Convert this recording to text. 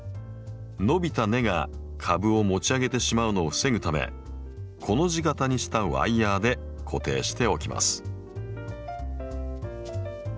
伸びた根が株を持ち上げてしまうのを防ぐためコの字形にしたワイヤーで固定しておきます。